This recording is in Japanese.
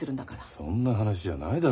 そんな話じゃないだろ